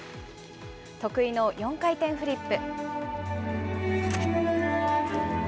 得意の４回転フリップ。